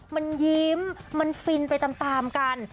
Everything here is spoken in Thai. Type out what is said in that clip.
มันยิ้มมันฟินไปตามกัน